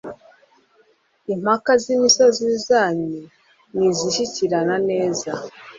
Impaka z’imisozi yanyu Nizishyikirana neza,